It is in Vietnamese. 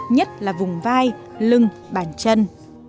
nhất là vùng vai lưng bàn chân